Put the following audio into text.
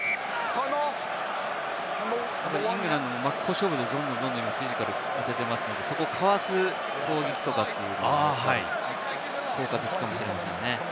イングランドも真っ向勝負でフィジカル上げてますので、そこをかわす攻撃とかというのも効果的かもしれませんね。